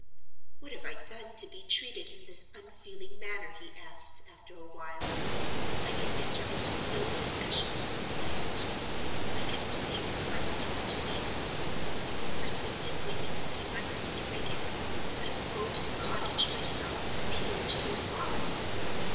'What have I done to be treated in this unfeeling manner?' he asked, after a while. 'I can enter into no discussion with you,' I answered; 'I can only request you to leave us. If you persist in waiting to see my sister again, I will go to the cottage myself and appeal to your father.